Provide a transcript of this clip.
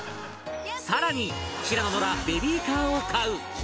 更に平野ノラベビーカーを買う